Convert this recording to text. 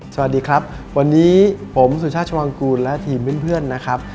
สวัสดีครับวันนี้ผมสุชาติวังกูลและทีมเพื่อนนะครับ